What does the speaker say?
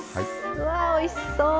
うわおいしそう！